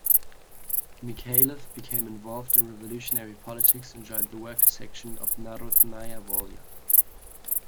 Mikhaylov became involved in revolutionary politics and joined the Workers' Section of Narodnaya Volya.